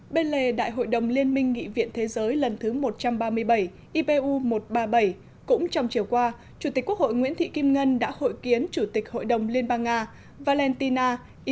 bên lề đại hội đồng liên minh nghị viện thế giới lần thứ một trăm ba mươi bảy ipu một trăm ba mươi bảy cũng trong chiều qua chủ tịch quốc hội nguyễn thị kim ngân đã hội kiến chủ tịch hội đồng liên bang nga valentina